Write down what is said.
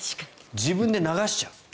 自分で流しちゃう。